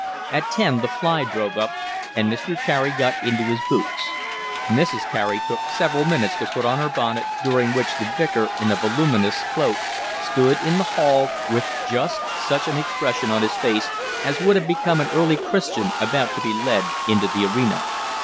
At ten the fly drove up, and Mr. Carey got into his boots. Mrs. Carey took several minutes to put on her bonnet, during which the Vicar, in a voluminous cloak, stood in the hall with just such an expression on his face as would have become an early Christian about to be led into the arena.